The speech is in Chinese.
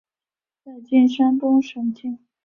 在今山东省境。